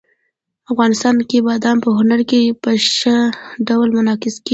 افغانستان کې بادام په هنر کې په ښه ډول منعکس کېږي.